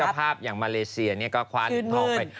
ภาพอย่างมาเลเซียนก็ควาด๑๐๐๐๐